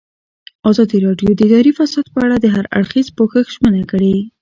ازادي راډیو د اداري فساد په اړه د هر اړخیز پوښښ ژمنه کړې.